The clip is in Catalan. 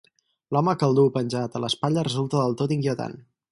L'home que el duu penjat a l'espatlla resulta del tot inquietant.